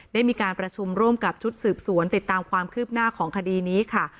ได้มีการประชุมร่วมกับชุดสืบสวนติดตามความคืบหน้าของคดีนี้ค่ะ